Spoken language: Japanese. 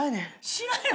知らんよ